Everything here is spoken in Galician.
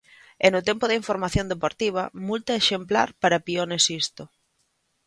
E no tempo da información deportiva, multa exemplar para Pione Sisto...